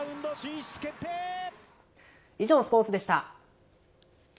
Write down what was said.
以上、スポーツでした。